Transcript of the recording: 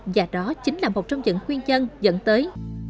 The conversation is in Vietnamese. và đó chính là một trong những nguyên nhân dẫn tới